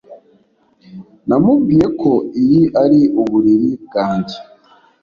namubwiye ko iyi ari uburiri bwanjye